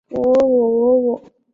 汉代今州境属牦牛羌地。